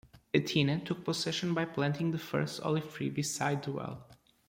Athena took possession by planting the first olive tree beside the well.